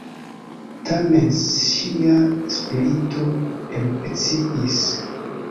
Tamen ŝia spirito erupciis.